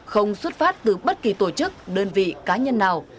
không xuất phát từ bất kỳ tổ chức đơn vị cá nhân nào